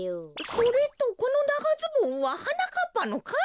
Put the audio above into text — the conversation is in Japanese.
それとこのながズボンははなかっぱのかい？